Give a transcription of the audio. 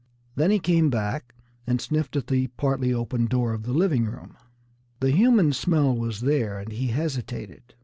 Then he came back and sniffed at the partly open door of the living room. The human smell was there, and he hesitated.